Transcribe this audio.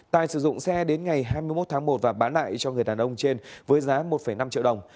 tài sử dụng xe đến ngày hai mươi một tháng một và bán lại cho người đàn ông trên với giá một năm triệu đồng